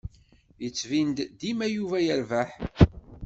Yettbin-d dima Yuba yerbeḥ.